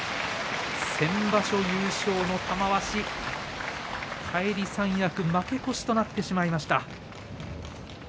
先場所優勝の玉鷲、返り三役負け越しとなってしまいました。